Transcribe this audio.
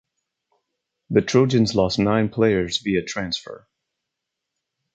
The Trojans lost nine players via transfer.